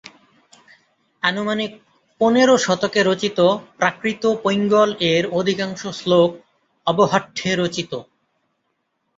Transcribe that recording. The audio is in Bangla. আনুমানিক পনেরো শতকে রচিত প্রাকৃতপৈঙ্গল-এর অধিকাংশ শ্লোক অবহট্ঠে রচিত।